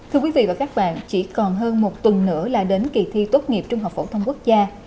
thưa quý vị và các bạn chỉ còn hơn một tuần nữa là đến kỳ thi tốt nghiệp trung học phổ thông quốc gia